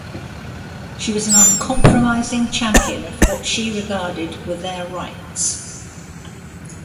She was an uncompromising champion of what she regarded were their rights.